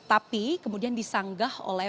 tapi kemudian disanggah oleh